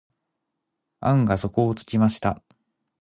案が底をつきました。